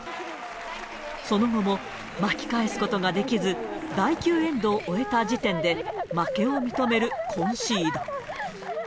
その後も、巻き返すことができず、第９エンドを終えた時点で負けを認めるコンシード。